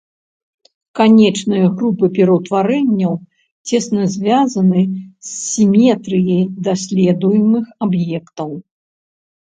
Канечныя групы пераўтварэнняў цесна звязаны з сіметрыяй даследуемых аб'ектаў.